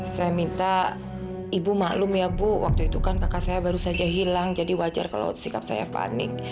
saya minta ibu maklum ya bu waktu itu kan kakak saya baru saja hilang jadi wajar kalau sikap saya panik